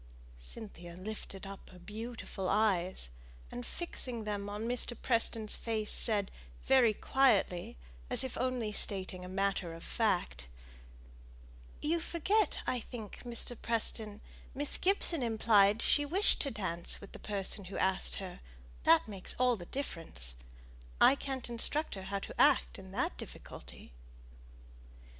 Cynthia lifted up her beautiful eyes, and, fixing them on Mr. Preston's face, said, very quietly, as if only stating a matter of fact, "You forget, I think, Mr. Preston: Miss Gibson implied that she wished to dance with the person who asked her that makes all the difference. I can't instruct her how to act in that difficulty."